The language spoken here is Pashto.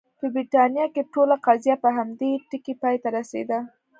په برېټانیا کې ټوله قضیه په همدې ټکي پای ته رسېده.